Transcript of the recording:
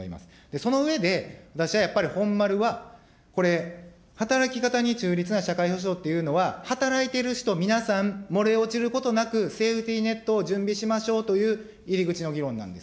その上で、私はやっぱり本丸は、これ、働き方に中立な社会保障というのは、働いている人皆さん、漏れ落ちることなく、セーフティネットを準備しましょうという入り口の議論なんです。